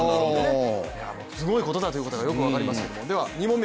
すごいことだということがよく分かりますけれども。